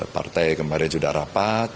partai kemarin sudah rapat